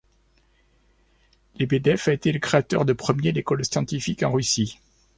Lebedev a été le créateur de premier l'école scientifique en Russie.